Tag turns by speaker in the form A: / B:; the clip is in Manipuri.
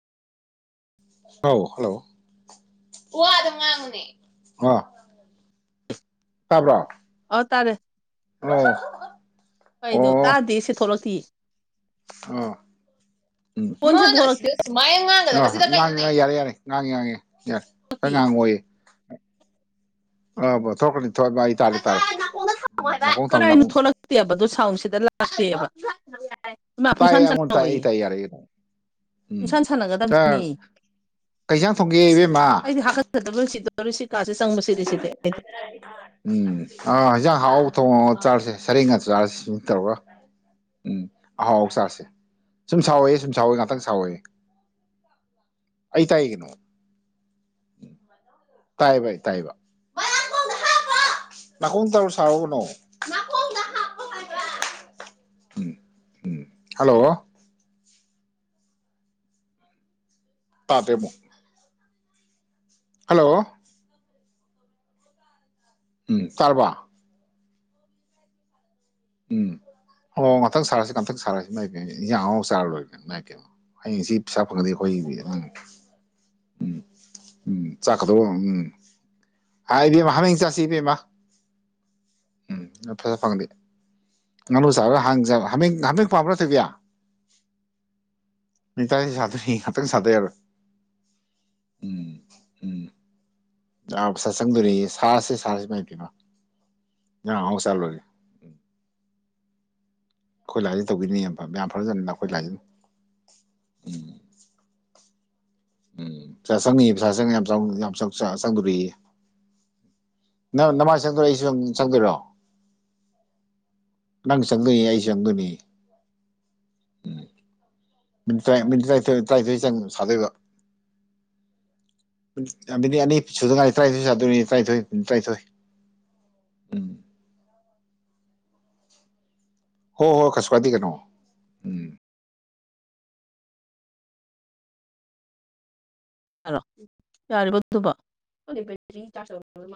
A: ꯍꯥꯎ ꯍꯜꯂꯣ ꯋꯥꯗꯨ ꯉꯥꯡꯉꯨꯅꯦ ꯑ
B: ꯑꯣ ꯇꯥꯔꯦ
A: [inaudible]
B: ꯀꯩꯅꯣ ꯇꯥꯗꯦ ꯁꯤ ꯊꯣꯛꯂꯛꯇꯤ
A: ꯑꯣ ꯎꯝ
B: ꯐꯣꯟꯁꯦ
A: ꯃꯥꯅ
B: ꯊꯣꯛꯂꯛꯇꯦ
A: ꯑꯁꯤꯗ ꯁꯨꯃꯥꯏꯅ ꯉꯥꯡ [unintelligible] ꯉꯥꯡꯉꯦ ꯉꯥꯡꯉꯦ ꯌꯥꯔꯦ ꯌꯥꯔꯦ ꯉꯥꯡꯉꯦ ꯉꯥꯡꯉꯦ ꯌꯥ ꯈꯔ
B: ꯊꯣꯛꯂꯛꯇꯦ
A: ꯉꯥꯡꯉꯛꯑꯣꯌꯦ ꯑꯕ ꯇꯧꯔꯛꯀꯅꯤ
B: [unintelligible] ꯅꯥꯀꯣꯡꯗ ꯊꯝꯃꯣ ꯍꯥꯏꯕ
A: ꯅꯥꯀꯣꯡ ꯊꯝꯃꯨ
B: ꯀꯔꯥꯏ
A: ꯅꯥꯀꯣꯡ
B: ꯊꯣꯛꯂꯛꯇꯦꯕꯗ ꯁꯥꯎꯟꯁꯤꯗ ꯂꯥꯛꯇꯦꯕ [unintelligible] ꯏꯃ
A: ꯇꯥꯏꯌꯦ
B: ꯄꯨꯡꯁꯥꯟ
A: ꯑꯩꯉꯣꯟꯗ ꯇꯥꯏ ꯑꯩ
B: ꯁꯥꯟꯅꯧꯋꯣꯌꯦ
A: ꯇꯥꯏ ꯌꯥꯔꯦ ꯎꯝ
B: ꯄꯨꯡꯁꯥꯟ ꯁꯥꯟꯅꯒꯗꯕꯅꯦ
A: ꯀꯩ ꯏꯟꯖꯥꯡ ꯊꯣꯡꯒꯦ
B: ꯑꯁ
A: ꯏꯕꯦꯝꯃ
B: ꯑꯩꯗꯤ ꯍꯥꯀꯠꯆꯗꯕ ꯁꯤꯗꯧꯔꯦ ꯁꯤ
A: ꯎꯝ
B: [unintelligible]
A: ꯑꯥ ꯍꯤꯟꯖꯥꯡ ꯑꯍꯥꯎ ꯊꯣꯡꯉꯣ ꯆꯥꯔꯁꯦ ꯁꯔꯦꯡ ꯉꯥꯗꯨ ꯆꯥꯔꯁꯦ ꯇꯧꯔ ꯎꯝ ꯑꯍꯥꯎ ꯍꯥꯎ ꯆꯥꯔꯁꯦ ꯁꯨꯝ ꯁꯥꯎꯋꯣꯌꯦ ꯁꯨꯝ ꯁꯥꯎꯋꯣꯌꯦ ꯉꯥꯛꯇꯪ ꯁꯥꯎꯋꯣꯌꯦ ꯑꯩ ꯇꯥꯏ ꯀꯩꯅꯣ ꯇꯥꯏꯕ ꯑꯩ ꯇꯥꯏꯕ ꯕꯥ ꯅꯥꯀꯣꯡꯗ ꯍꯥꯞꯄꯣ ꯅꯥꯀꯣꯡ ꯇꯧꯔ ꯁꯥꯎꯅꯣ ꯀꯩꯅꯣ ꯅꯥꯀꯣꯡꯗ ꯍꯥꯞꯄꯣ ꯍꯥꯏꯕ ꯎꯝ ꯎꯝ ꯍꯜꯂꯣ ꯇꯥꯗ꯭ꯔꯦ ꯃꯨꯛ ꯍꯜꯂꯣ ꯎꯝ ꯇꯥꯔꯕꯣ ꯎꯝ ꯑꯣ ꯉꯥꯇꯪ ꯁꯥꯔꯁꯤ ꯉꯥꯇꯪ ꯁꯥꯅꯁꯤ ꯏꯃꯥꯏꯄꯦꯝꯃ ꯏꯟꯖꯥꯡ ꯑꯍꯥꯎꯕ ꯆꯥꯔ ꯂꯣꯏꯔꯦ ꯏꯃꯥꯏꯄꯦꯝꯃ ꯍꯌꯦꯡ ꯍꯪꯆꯤꯠ ꯑꯩ ꯄꯩꯁꯥ ꯐꯪꯉꯗꯤ ꯑꯩꯈꯣꯏꯅꯤꯗꯤ ꯎꯝ ꯎꯝ ꯎꯝ ꯆꯥꯛꯀꯗꯣ ꯎꯝ ꯍꯥ ꯏꯕꯦꯝꯃ ꯍꯥꯃꯦꯡ ꯆꯥꯁꯤ ꯏꯕꯦꯝꯃ ꯎꯝ ꯑꯩ ꯄꯩꯁꯥ ꯐꯪꯉꯗꯤ ꯉꯥꯅꯨ ꯆꯥꯔꯒ ꯍꯥꯡ ꯆꯥꯕ ꯍꯃꯦꯡ ꯍꯃꯦꯡ ꯄꯥꯝꯕ꯭ꯔ ꯊꯣꯏꯕꯤ ꯃꯤꯅꯤꯠ ꯇꯔꯥ ꯁꯥꯗꯣꯏ ꯉꯥꯛꯇꯪ ꯁꯥꯗ ꯌꯥꯔꯣꯏ ꯎꯝ ꯎꯝ ꯄꯩꯁꯥ ꯆꯪꯗꯣꯔꯦꯌꯦ ꯁꯥꯔꯁꯤ ꯁꯥꯔꯁꯤ ꯏꯃꯥꯏꯄꯦꯝꯃ ꯍꯤꯟꯖꯥꯡ ꯑꯍꯥꯎꯕ ꯆꯥꯔ ꯂꯣꯏꯔꯦ [unintelligible] [unintelligible] ꯃꯤꯅꯤꯠ ꯇꯔꯥꯅꯤꯊꯣꯏ ꯇꯔꯥꯅꯤꯊꯣꯏ ꯆꯪ ꯁꯥꯗꯣꯏꯕ ꯃꯤꯅꯤꯠ ꯑꯅꯤ ꯁꯨꯗꯉꯥꯏꯔꯤ ꯇꯔꯥꯅꯤꯊꯣꯏ ꯁꯥꯗꯣꯏꯅꯤ ꯇꯔꯥꯅꯤꯊꯣꯏ ꯃꯤꯅꯤꯠ ꯇꯔꯥꯅꯤꯊꯣꯏ ꯎꯝ ꯍꯣ ꯍꯣ ꯀꯁꯨ ꯀꯥꯏꯗꯦ ꯀꯩꯅꯣ ꯎꯝ
B: [unintelligible]